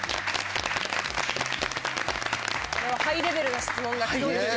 これはハイレベルな質問がきそうですよ！